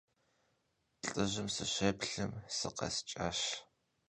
ЛӀыжьым сыщеплъым, сыкъэскӀащ.